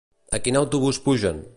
A quin autobús pugen?